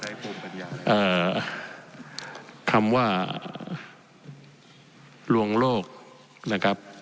เอ่อคำว่าหลวงโลกนะครับ